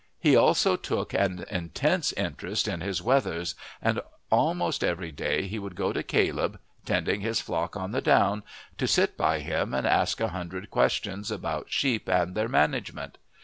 He also took an intense interest in his wethers, and almost every day he would go to Caleb, tending his flock on the down, to sit by him and ask a hundred questions about sheep and their management.